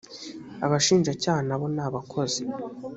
abashinja cyaha nabonabakozi.